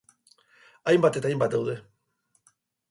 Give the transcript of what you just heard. Hainbat eta hainbat daude.